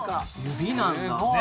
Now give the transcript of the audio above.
指なんだ。